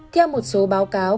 theo một số báo cáo